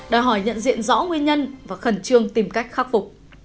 đòi hỏi nhận diện rõ nguyên nhân và khẩn trương tìm cách khắc phục